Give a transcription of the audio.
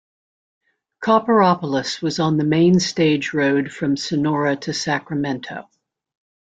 Copperopolis was on the main stage road from Sonora to Sacramento.